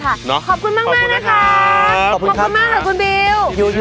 ขอบคุณมากค่ะคุณบิว